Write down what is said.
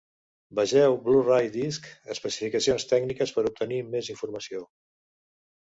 Vegeu Blu-ray Disc: Especificacions tècniques per obtenir més informació.